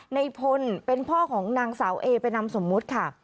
ในพลเป็นพ่อของนางสาวเอไปนำสมมุติค่ะ